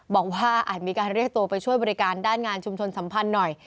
อาจมีการเรียกตัวไปช่วยบริการด้านงานชุมชนสัมพันธ์หน่อย